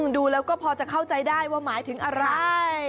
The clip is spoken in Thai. ดูแล้วก็พอจะเข้าใจได้ว่าหมายถึงอะไร